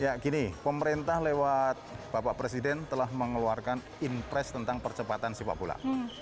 ya gini pemerintah lewat bapak presiden telah mengeluarkan impres tentang percepatan sepak bola